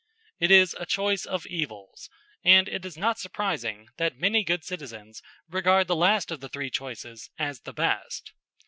It is a choice of evils; and it is not surprising that many good citizens regard the last of the three choices as the best.